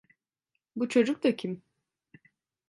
Bu çocuk da kim?